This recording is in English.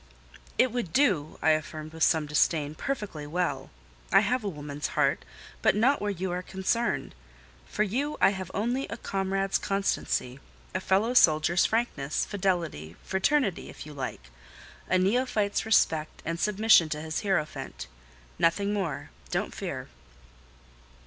"It would do," I affirmed with some disdain, "perfectly well. I have a woman's heart, but not where you are concerned; for you I have only a comrade's constancy; a fellow soldier's frankness, fidelity, fraternity, if you like; a neophyte's respect and submission to his hierophant: nothing more—don't fear."